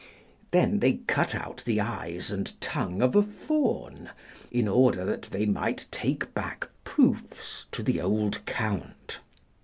Then they cut out the eyes and tongue of a Fawn, in order that they might take back proofs to the old Count.